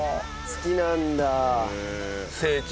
好きなんだ。